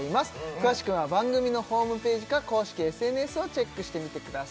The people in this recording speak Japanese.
詳しくは番組のホームページか公式ＳＮＳをチェックしてみてください